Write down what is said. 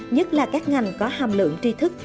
nhất là các ngành có hàm lượng tri thức